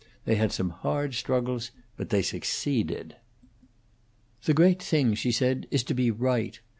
They had some hard struggles, but they succeeded. "The great thing," she said, "is to be right.